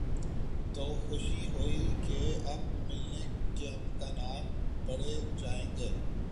تو خوشی ہوئی کہ اب ملنے کے امکانات بڑھ جائیں گے۔